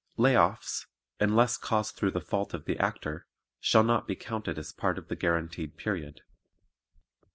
Lay offs, unless caused through the fault of the Actor, shall not be counted as part of the guaranteed period.